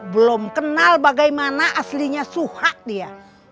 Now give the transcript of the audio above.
belum kenal bagaimana aslinya suhak dia